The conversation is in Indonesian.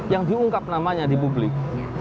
yang diungkap namanya di publik